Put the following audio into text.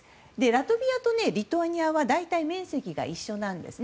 ラトビアとリトアニアは大体、面積が一緒なんです。